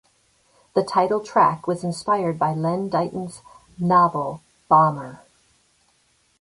The title track was inspired by Len Deighton's novel "Bomber".